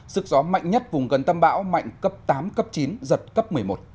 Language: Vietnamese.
sức gió mạnh nhất vùng gần tâm bão mạnh cấp tám cấp chín giật cấp một mươi một